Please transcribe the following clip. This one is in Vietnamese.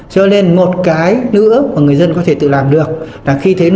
cho nên một cái nữa mà người dân có thể tự làm được là khi thấy nôn